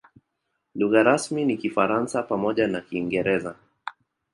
Lugha rasmi ni Kifaransa pamoja na Kiingereza.